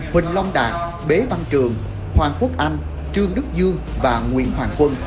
huỳnh long đạt bế văn trường hoàng quốc anh trương đức dương và nguyễn hoàng quân